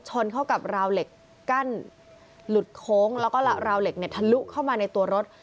ชนเข้ากับราวเหล็กกั้นหลุดโค้งแล้วก็ราวเหล็กเนี่ยทะลุเข้ามาในตัวรถ